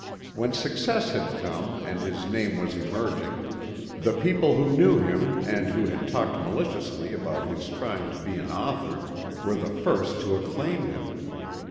When success had come and his name was emerging, the people who knew him and who had talked maliciously about his trying to be an author, were the first to acclaim him.